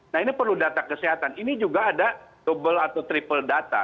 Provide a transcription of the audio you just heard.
nah ini perlu data kesehatan ini juga ada double atau triple data